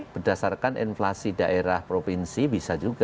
berdasarkan inflasi daerah provinsi bisa juga